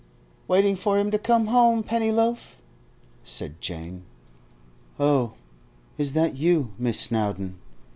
'Waiting for him to come home, Pennyloaf?' said Jane. 'Oh, is that you, Miss Snowdon!